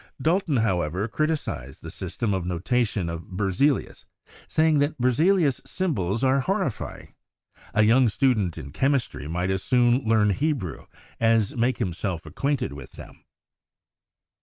Dalton, however, criticized the system of no tation of Berzelius, saying that "Berzelius' symbols are horrifying; a young student in chemistry might as soon learn Hebrew as make himself acquainted with them."